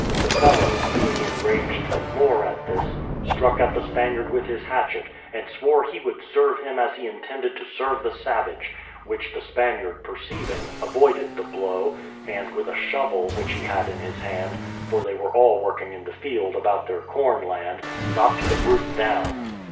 The fellow, being enraged the more at this, struck at the Spaniard with his hatchet, and swore he would serve him as he intended to serve the savage; which the Spaniard perceiving, avoided the blow, and with a shovel, which he had in his hand (for they were all working in the field about their corn land), knocked the brute down.